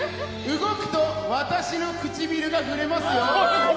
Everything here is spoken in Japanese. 動くと私の唇が触れますよ！